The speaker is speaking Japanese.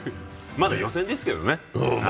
まだ予選ですけどね。